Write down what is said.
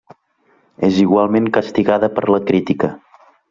És igualment castigada per la crítica.